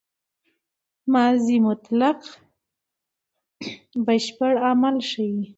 ماضي مطلق بشپړ عمل ښيي.